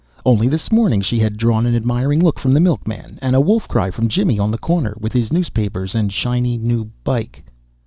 Only this morning she had drawn an admiring look from the milkman and a wolf cry from Jimmy on the corner, with his newspapers and shiny new bike.